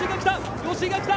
吉居が来た！